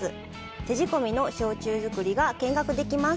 手仕込みの焼酎作りが見学できます。